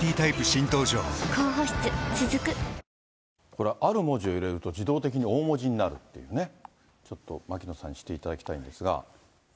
これ、ある文字を入れると、自動的に大文字になるっていうね、ちょっと牧野さんにしていただきたいんですが。